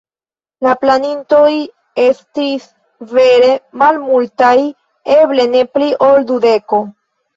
La planintoj estis vere malmultaj, eble ne pli ol dudeko.